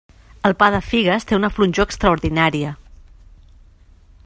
El pa de figues té una flonjor extraordinària.